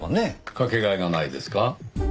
掛け替えがないですか？